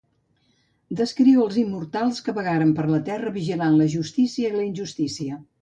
Descriu els immortals que vagaregen per la Terra vigilant la justícia i la injustícia.